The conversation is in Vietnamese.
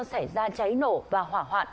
sẽ ra cháy nổ và hỏa hoạn